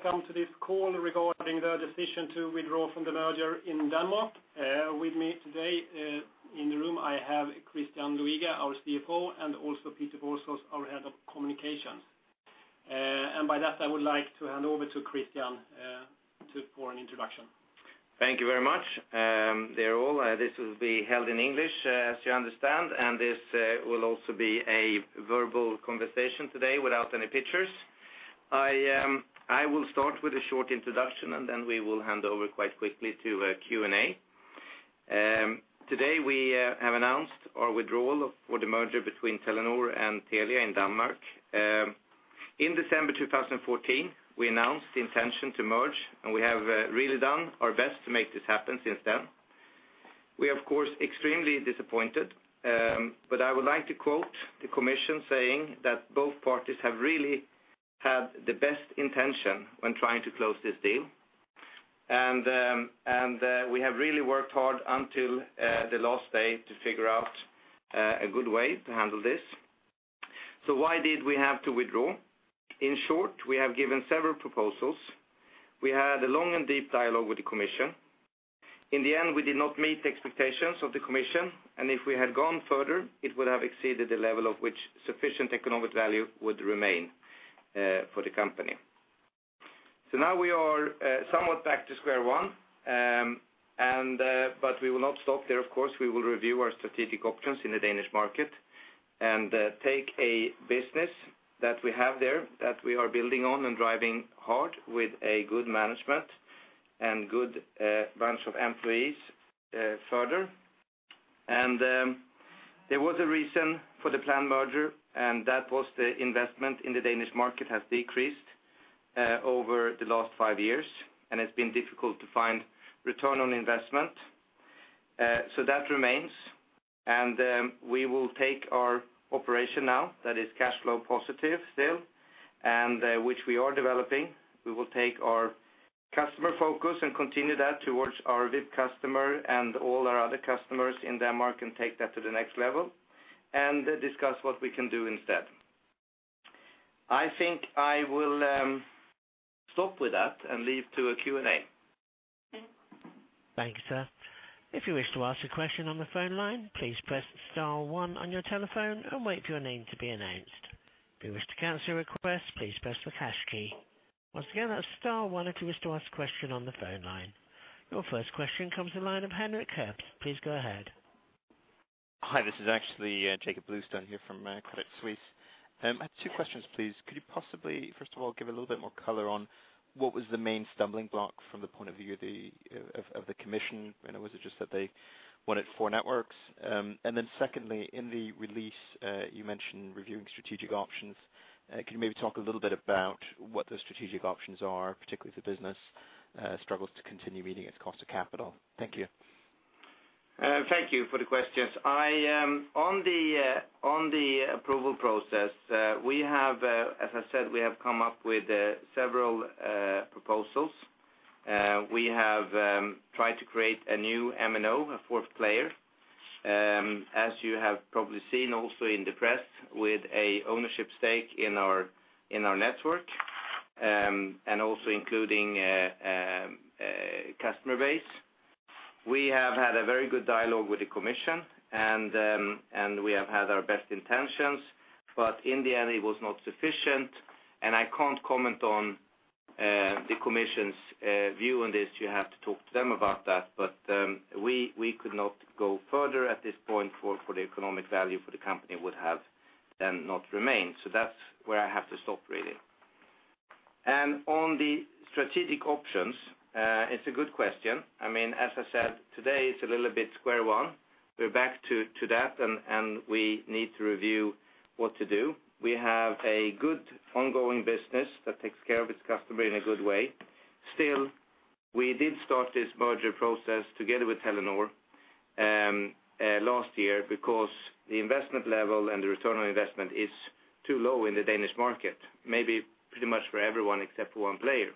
Good morning, all, and welcome to this call regarding the decision to withdraw from the merger in Denmark. With me today, in the room, I have Christian Luiga, our CFO, and also Peter Borsos, Our Head of Communications. By that, I would like to hand over to Christian for an introduction. Thank you very much, dear all. This will be held in English, as you understand, and this will also be a verbal conversation today without any pictures. I will start with a short introduction, and then we will hand over quite quickly to a Q&A. Today, we have announced our withdrawal froma the merger between Telenor and Telia in Denmark. In December 2014, we announced the intention to merge, and we have really done our best to make this happen since then. We, of course, extremely disappointed, but I would like to quote the commission, saying that both parties have really had the best intention when trying to close this deal. And we have really worked hard until the last day to figure out a good way to handle this. So why did we have to withdraw? In short, we have given several proposals. We had a long and deep dialogue with the commission. In the end, we did not meet the expectations of the commission, and if we had gone further, it would have exceeded the level of which sufficient economic value would remain for the company. So now we are somewhat back to square one. But we will not stop there, of course. We will review our strategic options in the Danish market and take a business that we have there, that we are building on and driving hard with a good management and that good bunch of employees further. There was a reason for the planned merger, and that was the investment in the Danish market had decreased over the last five years, and it's been difficult to find return on investment. So that remains, and we will take our operation now, that is cash flow positive still, and which we are developing. We will take oa ur customer focus and continue that towards our VIP customers and all our other customers in Denmark, and take that to the next level and discuss what we can do instead. I think I will stop with that and leave to a Q&A. Thank you, sir. If you wish to ask a question on the phone line, please press star one on your telephone and wait for your name to be announced. If you wish to cancel your request, please press the hash key. Once again, that's star one if you wish to ask a question on the phone line. Your first question comes from the line of Henrik Herbst. Please go ahead. Hi, this is actually Jakob Bluestone here from Credit Suisse. I had two questions, please. Could you possibly, first of all, give a little bit more color on what was the main stumbling block from the point of view of the commission? And was it just that they wanted four networks? And then secondly, in the release, you mentioned reviewing strategic options. Can you maybe talk a little bit about what those strategic options are, particularly if the business struggles to continue meeting its cost of capital? Thank you. Thank you for the questions. I on the approval process, we have, as I said, we have come up with several proposals. We have tried to create a new MNO, a fourth player, as you have probably seen also in the press, with an ownership stake in our, in our network, and also including a customer base. We have had a very good dialogue with the commission, and we have had our best intentions, but in the end, it was not sufficient, and I can't comment on the commission's view on this. You have to talk to them about that, but we could not go further at this point, for the economic value for the company would have not remained. That's where I have to stop really. On the strategic options, it's a good question. I mean, as I said, today, it's a little bit square one. We're back to that, and we need to review what to do. We have a good ongoing business that takes care of its customer in a good way. Still, we did start this merger process together with Telenor last year because the investment level and the return on investment is too low in the Danish market, maybe pretty much for everyone except for one player.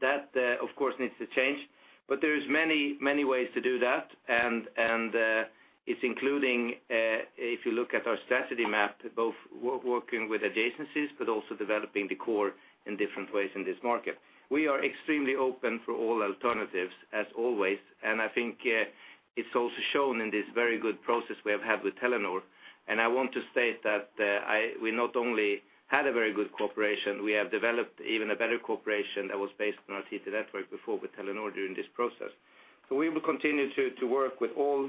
That of course needs to change, but there is many, many ways to do that, and it includes, if you look at our strategy map, both working with adjacencies but also developing the core in different ways in this market. We are extremely open to all alternatives, as always, and I think it's also shown in this very good process we have had with Telenor, and I want to state that we not only had a very good cooperation, we have developed even a better cooperation that was based on our TT Network before with Telenor during this process. So we will continue to work with all,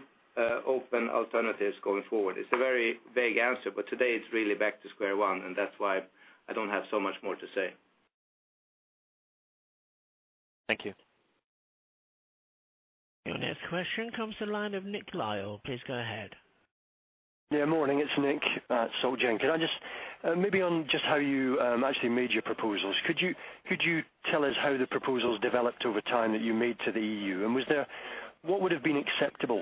open alternatives going forward. It's a very vague answer, but today it's really back to square one, and that's why I don't have so much more to say. Thank you. Your next question comes from the line of Nick Lyall. Please go ahead. Yeah, morning, it's Nick Soc Gen. Can I just maybe on just how you actually made your proposals? Could you tell us how the proposals developed over time that you made to the EU? What would have been acceptable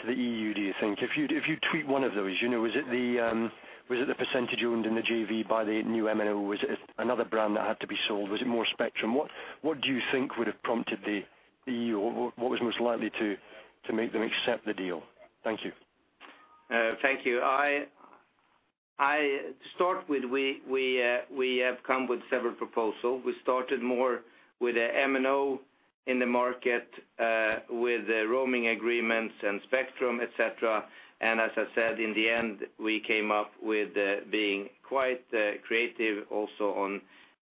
to the EU, do you think? If you'd tweak one of those, you know, was it the percentage owned in the JV by the new MNO? Was it another brand that had to be sold? Was it more spectrum? What do you think would have prompted the EU, or what was most likely to make them accept the deal? Thank you. Thank you. I start with we have come up with several proposals. We started more with an MNO in the market, with the roaming agreements and spectrum, et cetera. And as I said, in the end, we came up with being quite creative also on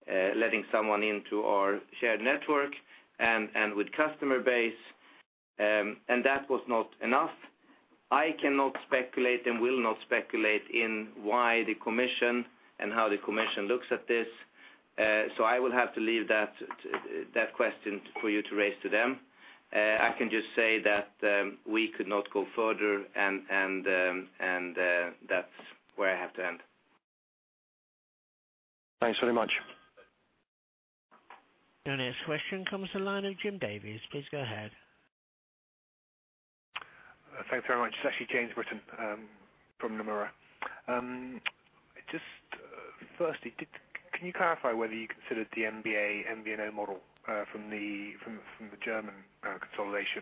letting someone into our shared network and with customer base. And that was not enough. I cannot speculate and will not speculate in why the commission and how the commission looks at this. So I will have to leave that question for you to raise to them. I can just say that we could not go further, and that's where I have to end. Thanks very much. The next question comes from the line of Jim Davies. Please go ahead. Thanks very much. It's actually James Britton from Nomura. Firstly, can you clarify whether you considered the MBA, MVNO model from the German consolidation?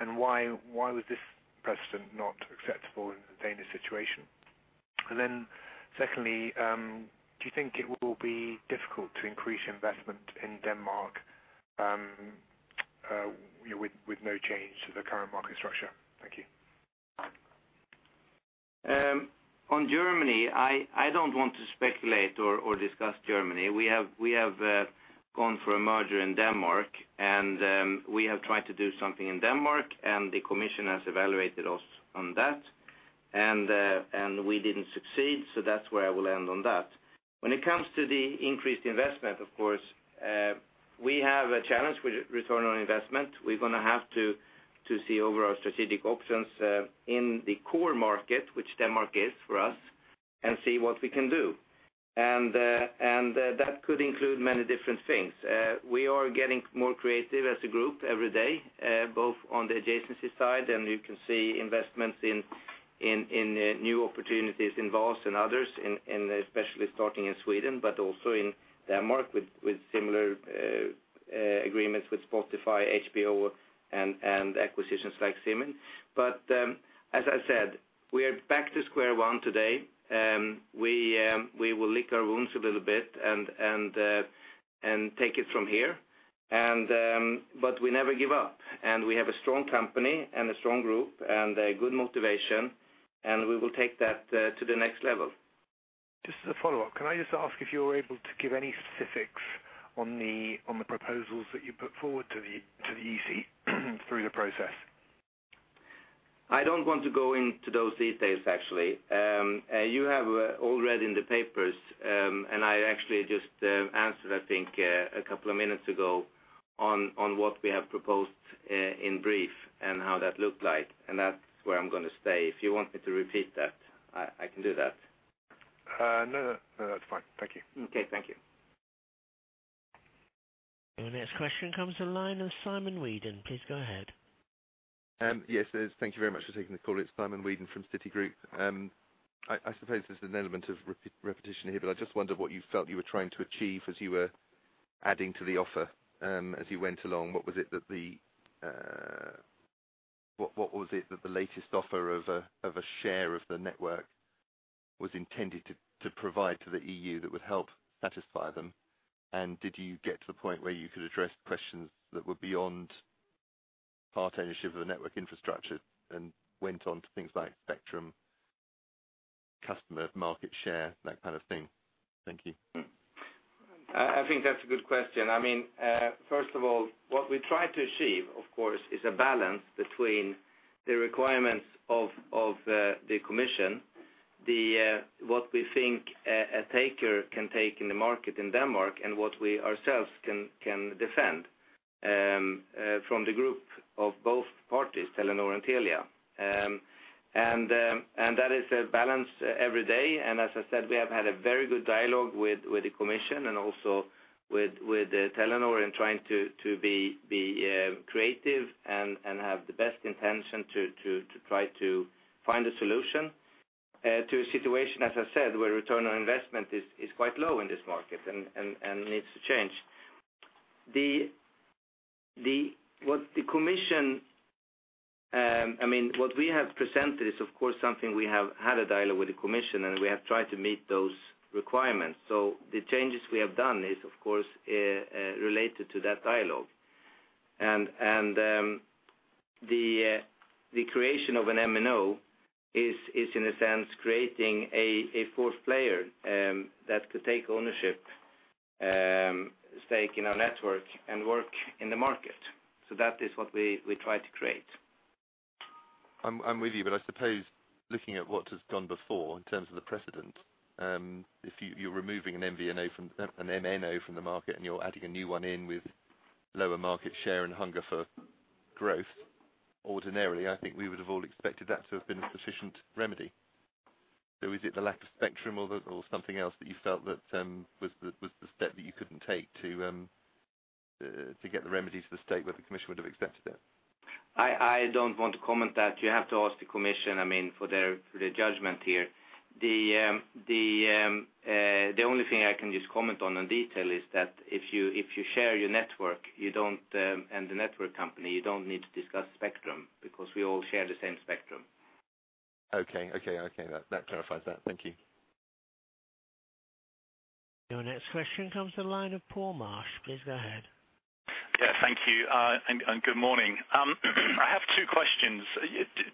And why was this precedent not acceptable in the Danish situation? And then, secondly, do you think it will be difficult to increase investment in Denmark with no change to the current market structure? Thank you. On Germany, I don't want to speculate or discuss Germany. We have gone for a merger in Denmark, and we have tried to do something in Denmark, and the commission has evaluated us on that. We didn't succeed, so that's where I will end on that. When it comes to the increased investment, of course, we have a challenge with return on investment. We're gonna have to see over our strategic options in the core market, which Denmark is for us, and see what we can do. That could include many different things. We are getting more creative as a group every day, both on the adjacency side, and you can see investments in new opportunities in VAS and others, especially starting in Sweden, but also in Denmark, with similar agreements with Spotify, HBO, and acquisitions like Siminn. But, as I said, we are back to square one today, and we will lick our wounds a little bit and take it from here. But we never give up, and we have a strong company and a strong group, and good motivation, and we will take that to the next level. Just as a follow-up, can I just ask if you're able to give any specifics on the proposals that you put forward to the EC, through the process? I don't want to go into those details, actually. You have all read in the papers, and I actually just answered, I think, a couple of minutes ago, on what we have proposed, in brief and how that looked like, and that's where I'm gonna stay. If you want me to repeat that, I can do that. No, that's fine. Thank you. Okay. Thank you. The next question comes to the line of Simon Weeden. Please go ahead. Yes, thank you very much for taking the call. It's Simon Weeden from Citigroup. I suppose there's an element of repetition here, but I just wondered what you felt you were trying to achieve as you were adding to the offer, as you went along. What was it that the latest offer of a share of the network was intended to provide to the EU that would help satisfy them? And did you get to the point where you could address questions that were beyond part ownership of the network infrastructure and went on to things like spectrum, customer, market share, that kind of thing? Thank you. I think that's a good question. I mean, first of all, what we try to achieve, of course, is a balance between the requirements of the commission, what we think a taker can take in the market in Denmark, and what we ourselves can defend from the group of both parties, Telenor and Telia. And that is a balance every day. And as I said, we have had a very good dialogue with the commission and also with Telenor in trying to be creative and have the best intention to try to find a solution to a situation, as I said, where return on investment is quite low in this market and needs to change. What the commission, I mean, what we have presented is, of course, something we have had a dialogue with the commission, and we have tried to meet those requirements. So the changes we have done is, of course, related to that dialogue. And the creation of an MNO is in a sense creating a fourth player that could take ownership stake in our network and work in the market. So that is what we try to create. I'm with you, but I suppose looking at what has gone before in terms of the precedent, if you're removing an MVNO from the, an MNO from the market, and you're adding a new one in with lower market share and hunger for growth, ordinarily, I think we would have all expected that to have been a sufficient remedy. So is it the lack of spectrum or the, or something else that you felt that was the step that you couldn't take to get the remedies to the state where the commission would have accepted it? I don't want to comment that. You have to ask the commission, I mean, for their judgment here. The only thing I can just comment on in detail is that if you share your network, you don't and the network company, you don't need to discuss spectrum because we all share the same spectrum. Okay. Okay, okay, that, that clarifies that. Thank you. Your next question comes to the line of Paul Marsch. Please go ahead. Yeah, thank you, and good morning. I have two questions.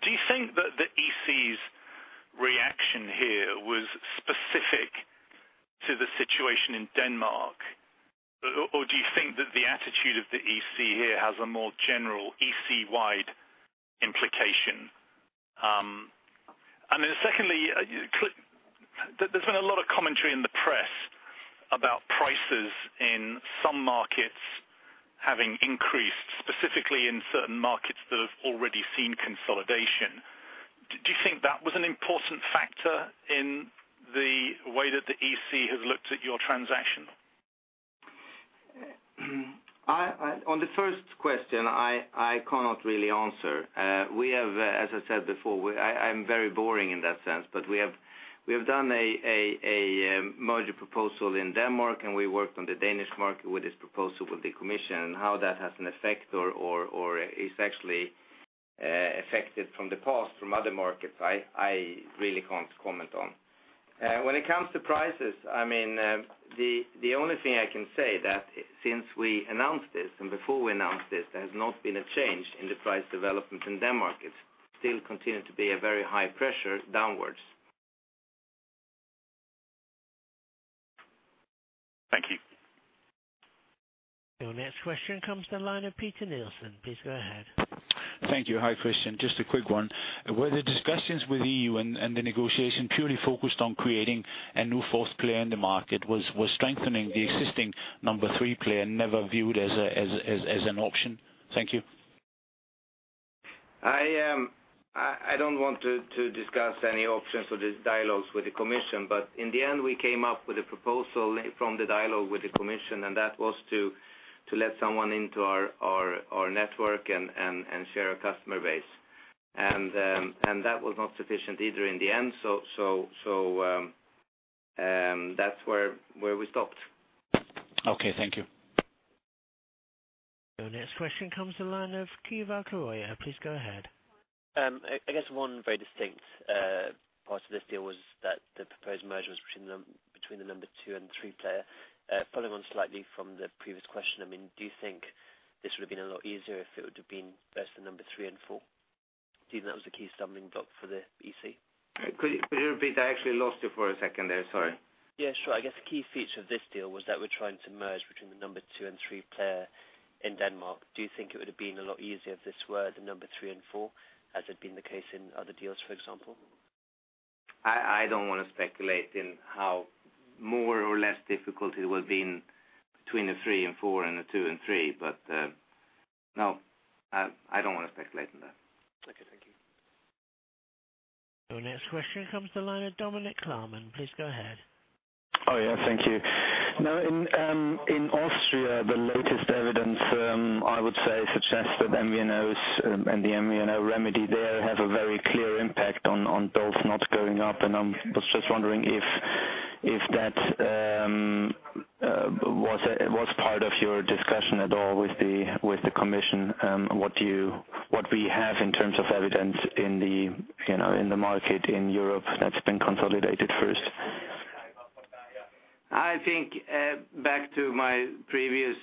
Do you think that the EC's reaction here was specific to the situation in Denmark, or do you think that the attitude of the EC here has a more general EC-wide implication? And then secondly, there's been a lot of commentary in the press about prices in some markets having increased, specifically in certain markets that have already seen consolidation. Do you think that was an important factor in the way that the EC has looked at your transaction? On the first question, I cannot really answer. We have, as I said before, I'm very boring in that sense, but we have, we have done a merger proposal in Denmark, and we worked on the Danish market with this proposal with the commission. And how that has an effect or is actually affected from the past, from other markets, I really can't comment on. When it comes to prices, I mean, the only thing I can say that since we announced this and before we announced this, there has not been a change in the price development in Denmark. It still continue to be a very high pressure downwards. Thank you. Your next question comes to the line of Peter Nielsen. Please go ahead. Thank you. Hi, Christian. Just a quick one. Were the discussions with EU and the negotiation purely focused on creating a new fourth player in the market? Was strengthening the existing number three player never viewed as an option? Thank you. I don't want to discuss any options or the dialogues with the commission, but in the end, we came up with a proposal from the dialogue with the commission, and that was to let someone into our network and share our customer base. And that was not sufficient either in the end. So that's where we stopped. Okay, thank you. The next question comes from the line of Keval Khiroya. Please go ahead. I guess one very distinct part of this deal was that the proposed merger was between the number two and three player. Following on slightly from the previous question, I mean, do you think this would have been a lot easier if it would have been versus the number three and four? Do you think that was the key stumbling block for the EC? Could you repeat? I actually lost you for a second there. Sorry. Yeah, sure. I guess key feature of this deal was that we're trying to merge between the number two and three player in Denmark. Do you think it would have been a lot easier if this were the number three and four, as had been the case in other deals, for example? I don't wanna speculate in how more or less difficult it would have been between the three and four and the two and three, but no, I don't wanna speculate on that. Okay, thank you. The next question comes to the line of Dominik Klarmann. Please go ahead. Oh, yeah. Thank you. Now, in Austria, the latest evidence, I would say, suggests that MVNOs and the MVNO remedy there have a very clear impact on both not going up. And I was just wondering if that was part of your discussion at all with the commission, what we have in terms of evidence in the, you know, in the market in Europe that's been consolidated first? I think back to my previous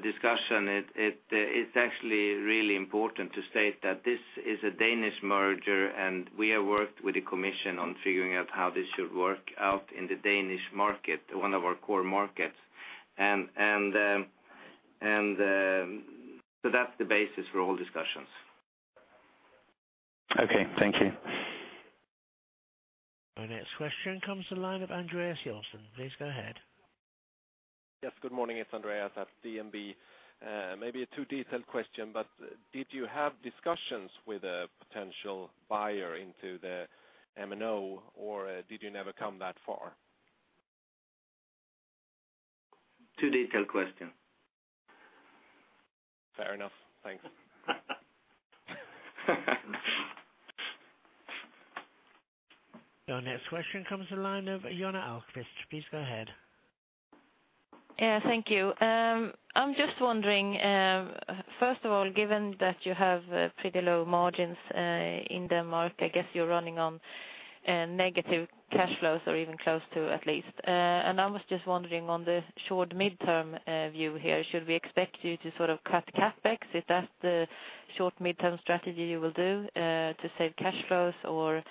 discussion, it's actually really important to state that this is a Danish merger, and we have worked with the commission on figuring out how this should work out in the Danish market, one of our core markets. So that's the basis for all discussions. Okay, thank you. Our next question comes to the line of Andreas Joelsson. Please go ahead. Yes, good morning. It's Andreas at DNB. Maybe a too-detailed question, but did you have discussions with a potential buyer into the MNO, or, did you never come that far? Too detailed question. Fair enough. Thanks. The next question comes to the line of Johanna Ahlqvist. Please go ahead. Yeah, thank you. I'm just wondering, first of all, given that you have pretty low margins in Denmark, I guess you're running on negative cash flows or even close to at least. And I was just wondering on the short midterm view here, should we expect you to sort of cut CapEx? If that's the short midterm strategy you will do to save cash flows, or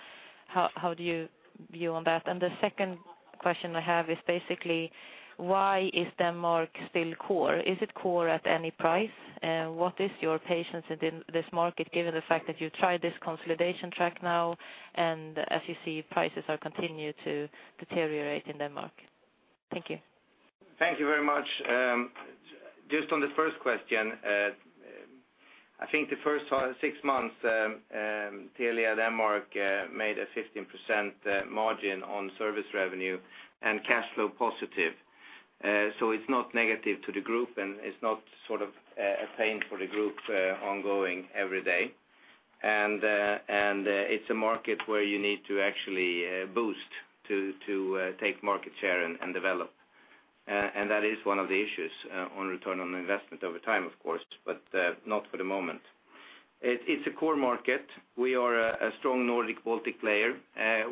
how, how do you view on that? And the second question I have is basically, why is Denmark still core? Is it core at any price? What is your patience in this, this market, given the fact that you tried this consolidation track now, and as you see, prices are continued to deteriorate in Denmark? Thank you. Thank you very much. Just on the first question, I think the first six months, Telia Denmark made a 15% margin on service revenue and cash flow positive. So it's not negative to the group, and it's not sort of a pain for the group ongoing every day. And it's a market where you need to actually boost to take market share and develop. And that is one of the issues on return on investment over time, of course, but not for the moment. It's a core market. We are a strong Nordic-Baltic player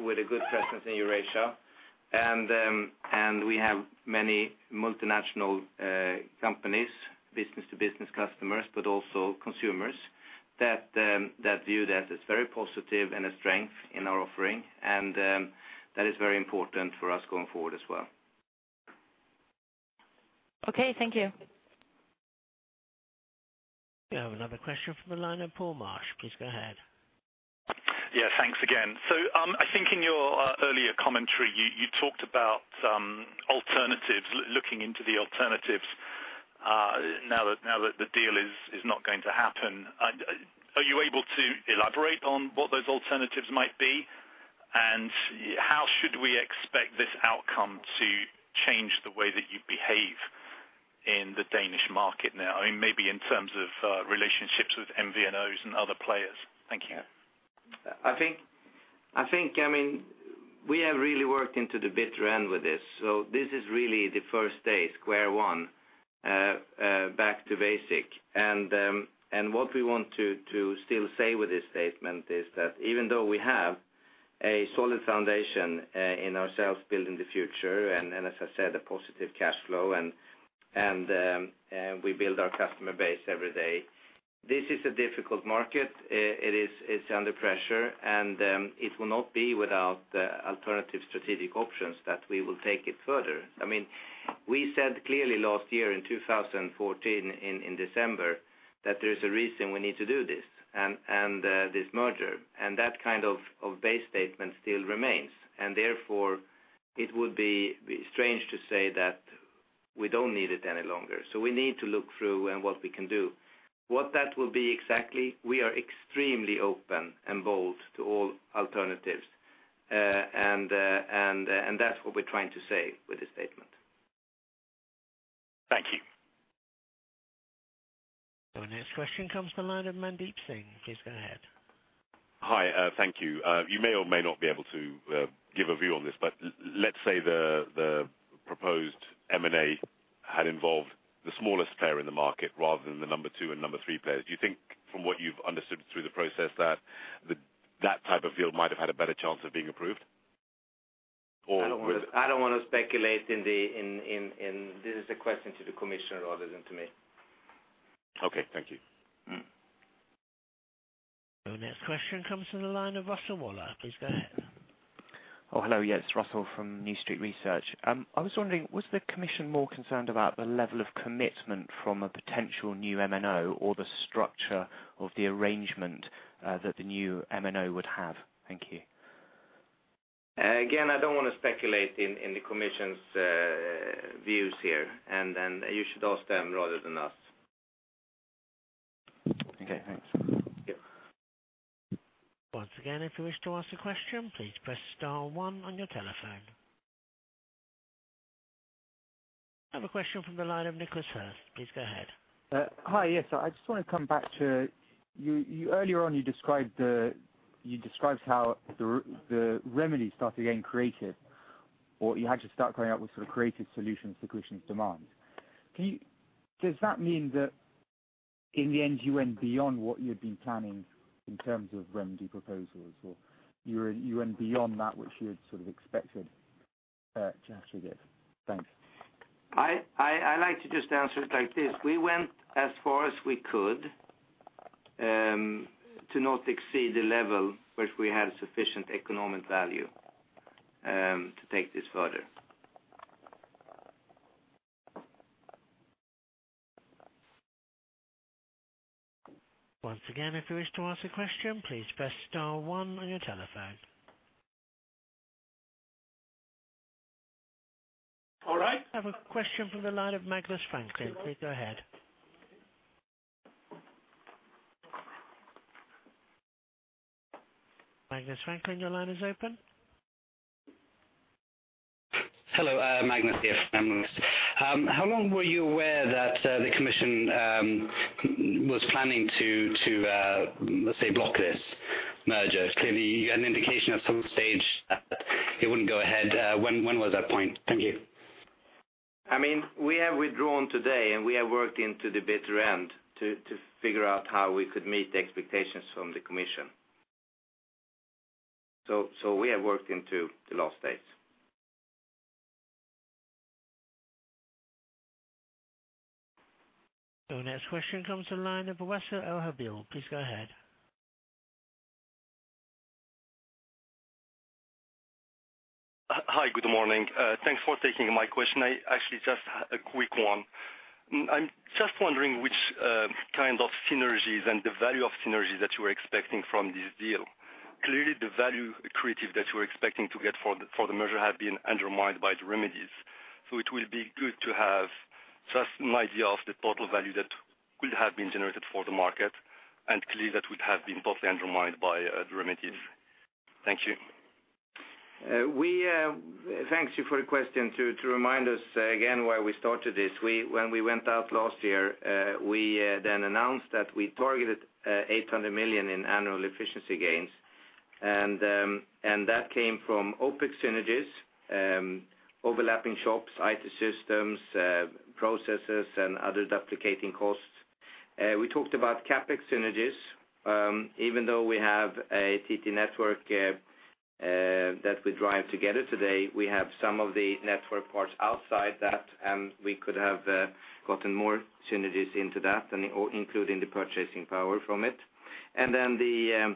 with a good presence in Eurasia. We have many multinational companies, business-to-business customers, but also consumers, that view that as very positive and a strength in our offering, and that is very important for us going forward as well. Okay, thank you. We have another question from the line of Paul Marsh. Please go ahead. Yeah, thanks again. So, I think in your earlier commentary, you, you talked about alternatives, looking into the alternatives, now that, now that the deal is, is not going to happen. Are you able to elaborate on what those alternatives might be? And how should we expect this outcome to change the way that you behave in the Danish market now? I mean, maybe in terms of relationships with MVNOs and other players. Thank you. I think, I mean, we have really worked into the bitter end with this, so this is really the first day, square one, back to basic. And what we want to still say with this statement is that even though we have a solid foundation in ourselves building the future, as I said, a positive cash flow, and we build our customer base every day, this is a difficult market. It is, it's under pressure, and it will not be without the alternative strategic options that we will take it further. I mean, we said clearly last year, in 2014, in December, that there is a reason we need to do this, and this merger, and that kind of base statement still remains. Therefore, it would be strange to say that we don't need it any longer. So we need to look through and what we can do. What that will be exactly, we are extremely open and bold to all alternatives. That's what we're trying to say with this statement. Thank you. Our next question comes from the line of Mandeep Singh. Please go ahead. Hi, thank you. You may or may not be able to give a view on this, but let's say the proposed M&A had involved the smallest player in the market rather than the number two and number three players. Do you think, from what you've understood through the process, that type of deal might have had a better chance of being approved? I don't wanna, I don't want to speculate in the... This is a question to the commissioner rather than to me. Okay, thank you. Mm-hmm. Our next question comes from the line of Russell Waller. Please go ahead. Oh, hello, yes, Russell from New Street Research. I was wondering, was the commission more concerned about the level of commitment from a potential new MNO or the structure of the arrangement, that the new MNO would have? Thank you. Again, I don't want to speculate in the commission's views here, and you should ask them rather than us. Okay, thanks. Yeah. Once again, if you wish to ask a question, please press star one on your telephone. I have a question from the line of Nicholas Firth. Please go ahead. Hi. Yes, I just want to come back to you earlier on. You described how the remedy started getting creative, or you had to start coming out with sort of creative solutions to Christian's demands. Does that mean that in the end, you went beyond what you had been planning in terms of remedy proposals, or you went beyond that which you had sort of expected to actually give? Thanks. I like to just answer it like this: We went as far as we could to not exceed the level which we had sufficient economic value to take this further. Once again, if you wish to ask a question, please press star one on your telephone. All right. I have a question from the line of Magnus Franklin. Please go ahead. Magnus Franklin, your line is open. Hello, Magnus here from Magnus. How long were you aware that the commission was planning to, let's say, block this merger? Clearly, you had an indication at some stage that it wouldn't go ahead. When was that point? Thank you. I mean, we have withdrawn today, and we have worked into the bitter end to figure out how we could meet the expectations from the commission. So we have worked into the last days. So next question comes from the line of Russel Waller Please go ahead. Hi, good morning. Thanks for taking my question. I actually just have a quick one. I'm just wondering which kind of synergies and the value of synergies that you were expecting from this deal. Clearly, the value accretive that you were expecting to get for the merger had been undermined by the remedies. So it will be good to have- Just an idea of the total value that could have been generated for the market, and clearly, that would have been totally undermined by the remedies. Thank you. We thank you for the question. To remind us again, why we started this, when we went out last year, we then announced that we targeted 800 million in annual efficiency gains. And that came from OpEx synergies, overlapping shops, IT systems, processes, and other duplicating costs. We talked about CapEx synergies, even though we have a TT Network that we drive together today, we have some of the network parts outside that, and we could have gotten more synergies into that, and including the purchasing power from it. And then the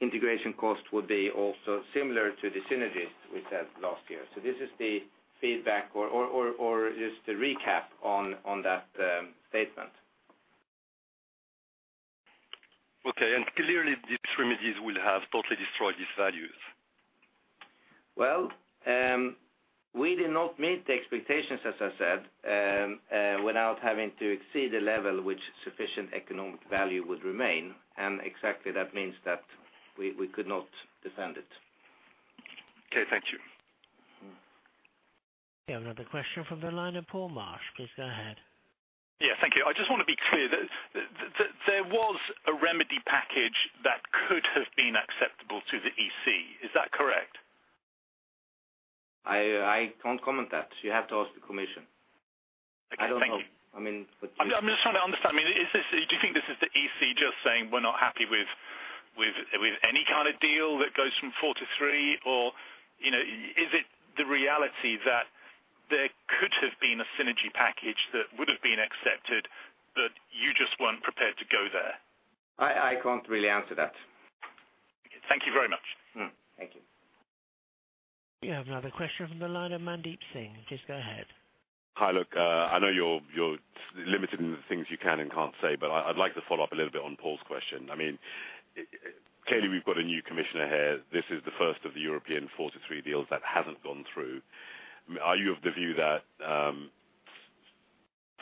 integration cost would be also similar to the synergies we said last year. So this is the feedback or just a recap on that statement. Okay, and clearly, these remedies will have totally destroyed these values? Well, we did not meet the expectations, as I said, without having to exceed the level which sufficient economic value would remain, and exactly that means that we, we could not defend it. Okay, thank you. We have another question from the line of Paul Marsch. Please go ahead. Yeah, thank you. I just want to be clear that there was a remedy package that could have been acceptable to the EC. Is that correct? I can't comment that. You have to ask the commission. Okay. Thank you. I don't know. I mean, but- I'm just trying to understand. I mean, is this... Do you think this is the EC just saying, "We're not happy with any kind of deal that goes from four to three?" Or, you know, is it the reality that there could have been a synergy package that would have been accepted, but you just weren't prepared to go there? I can't really answer that. Thank you very much. Hmm. Thank you. We have another question from the line of Mandeep Singh. Please go ahead. Hi, look, I know you're, you're limited in the things you can and can't say, but I, I'd like to follow up a little bit on Paul's question. I mean, clearly, we've got a new commissioner here. This is the first of the European four-to-three deals that hasn't gone through. Are you of the view that,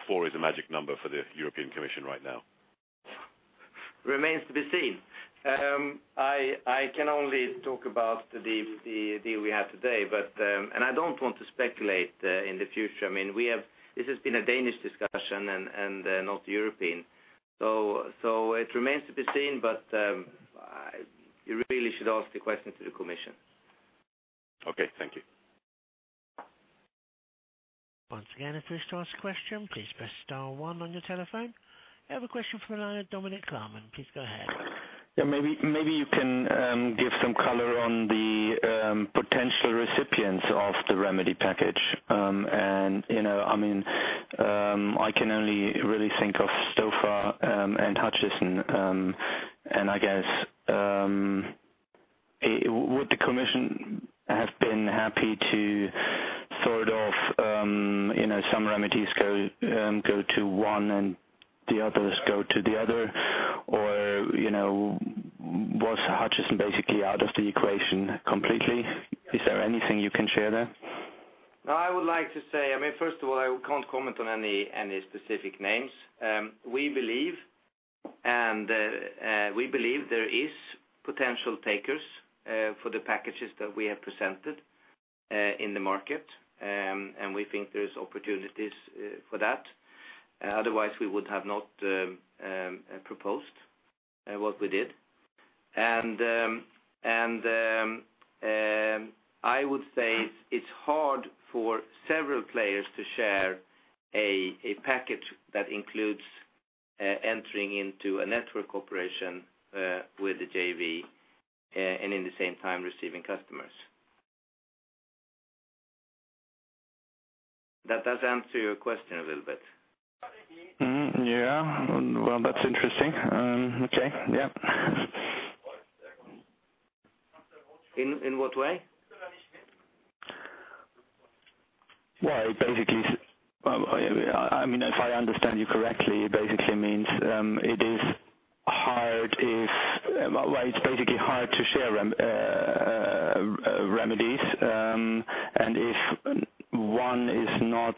four is a magic number for the European Commission right now? Remains to be seen. I can only talk about the deal we have today, but I don't want to speculate in the future. I mean, we have this has been a Danish discussion and not European. So it remains to be seen, but you really should ask the question to the commission. Okay, thank you. Once again, if you wish to ask a question, please press star one on your telephone. I have a question from the line of Dominik Klarmann. Please go ahead. Yeah, maybe you can give some color on the potential recipients of the remedy package. You know, I mean, I can only really think of Stofa and Hutchison, and I guess would the commission have been happy to sort of, you know, some remedies go to one and the others go to the other? Or, you know, was Hutchison basically out of the equation completely? Is there anything you can share there? I would like to say, I mean, first of all, I can't comment on any specific names. We believe, and we believe there is potential takers for the packages that we have presented in the market. And we think there's opportunities for that. Otherwise, we would have not proposed what we did. And I would say it's hard for several players to share a package that includes entering into a network operation with the JV and in the same time receiving customers. That does answer your question a little bit. Mm, yeah. Well, that's interesting. Okay. Yeah. In what way? Well, basically, I mean, if I understand you correctly, it basically means it is hard if... Well, it's basically hard to share remedies, and if one is not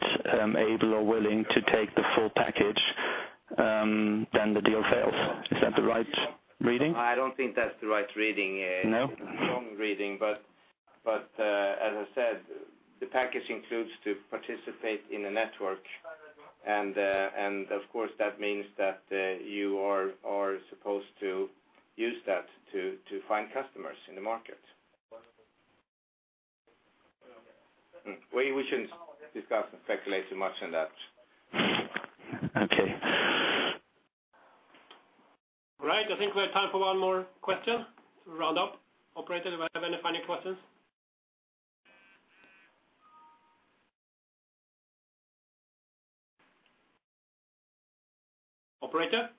able or willing to take the full package, then the deal fails. Is that the right reading? I don't think that's the right reading. No? Wrong reading, but as I said, the package includes to participate in a network. And of course, that means that you are supposed to use that to find customers in the market. We shouldn't discuss and speculate too much on that. Okay. All right, I think we have time for one more question to round up. Operator, do I have any final questions? Operator?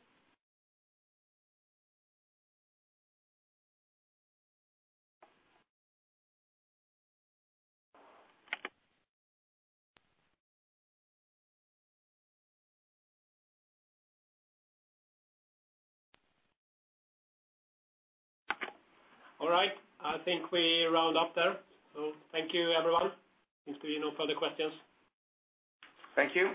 All right, I think we round up there. So thank you, everyone. Seems to be no further questions. Thank you.